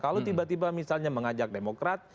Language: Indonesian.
kalau tiba tiba misalnya mengajak demokrat